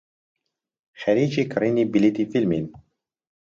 خەریکی کڕینی بلیتی فیلمین.